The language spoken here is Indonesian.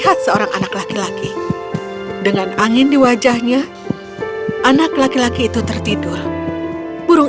lihat seorang anak laki laki dengan angin di wajahnya anak laki laki itu tertidur burung